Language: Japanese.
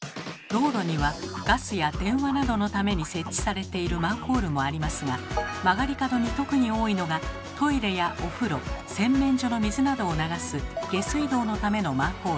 道路にはガスや電話などのために設置されているマンホールもありますが曲がり角に特に多いのがトイレやお風呂洗面所の水などを流す下水道のためのマンホール。